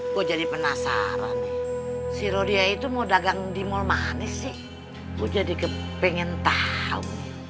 gue jadi penasaran si rodia itu mau dagang di mal manis sih gue jadi pengen tahu